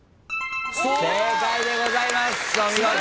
正解でございますお見事。